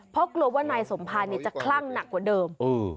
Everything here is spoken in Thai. เพราะกลัวว่านายสมภารจะคลั่งหนักกว่าเดิม